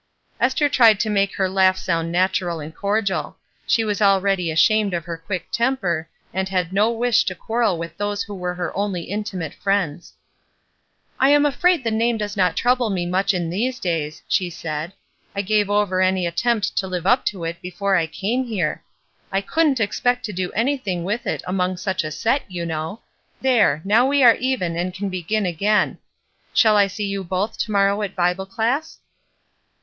Esther tried to make her laugh sound natural and cordial. She was already ashamed of her quick temper, and had no wish to quarrel with these who were her only intimate friends. "I am afraid the name does not trouble me much in these days," she said. ''I gave over any attempt to live up to it before I came here. 10 ESTER RIED'S NAMESAKE I conldn^t expect to do anything with it among such a set, you know. There, now we are even, and can begin again. Shall I see you both to morrow at Bible class?"